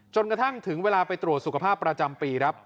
จนกระทั่งถึงเวลาไปตรวจสุขภาพประจำปีครับ